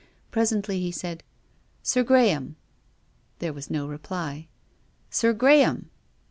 Presently he said :" Sir Graham !" There was no reply. " Sir Graham